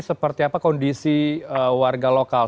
seperti apa kondisi warga lokal